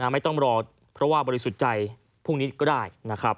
ไม่ต้องหลอกเพราะว่าบริสุจัยพรุ่งนี้ก็ได้